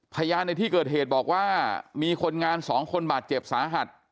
พยานในที่เกิดเหตุบอกว่ามีคนงาน๒คนบาดเจ็บสาหัส